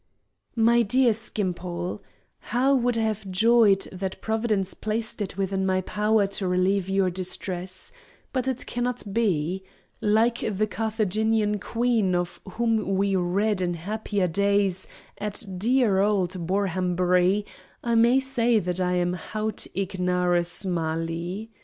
MY DEAR SKIMPOLE,—How would I have joyed, had Providence placed it within my power to relieve your distress! But it cannot be. Like the Carthaginian Queen of whom we read in happier days at dear old Borhambury, I may say that I am haud ignarus mali.